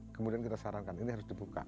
kemudian kita sarankan ini harus dibuka